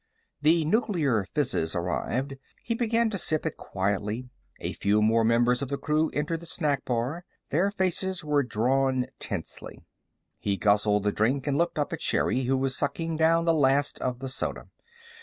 The nuclear fizzes arrived. He began to sip it quietly. A few more members of the crew entered the snack bar. Their faces were drawn tensely. He guzzled the drink and looked up at Sherri, who was sucking down the last of the soda.